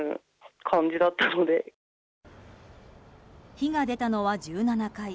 火が出たのは１７階。